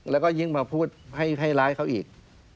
แล้วก็ยิ่งมาพูดให้ร้ายเขาอีก